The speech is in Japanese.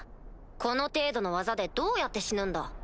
この程度の技でどうやって死ぬんだ？